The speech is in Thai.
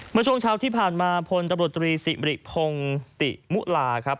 เมื่อช่วงเช้าที่ผ่านมาพลตำรวจตรีสิริพงศ์ติมุลาครับ